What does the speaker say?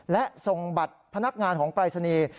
และส่งบัตรพนักงานของปรายศนีย์